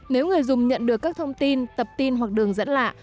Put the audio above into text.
nếu người dùng nhận được các thông tin tập tin hoặc đường dẫn lạ